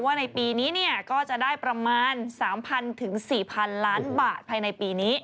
ในปีนี้ก็จะได้ประมาณ๓๐๐ถึง๔๐๐๐ล้านบาทภายในปีนี้